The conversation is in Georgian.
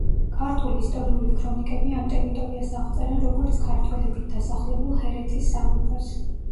ქართული ისტორიული ქრონიკები ამ ტერიტორიას აღწერენ, როგორც ქართველებით დასახლებულ ჰერეთის სამეფოს.